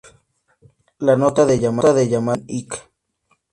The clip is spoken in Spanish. La nota de llamado es un "ik".